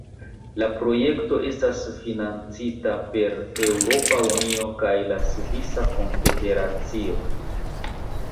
La projekto estas financita per Eŭropa Unio kaj la Svisa Konfederacio.